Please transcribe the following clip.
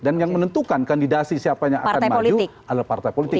dan yang menentukan kandidasi siapanya akan maju adalah partai politik